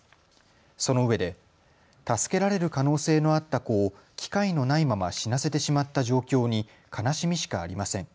そのうえで助けられる可能性のあった子を機会のないまま死なせてしまった状況に悲しみしかありません。